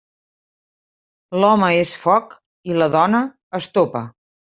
L'home és foc i la dona, estopa.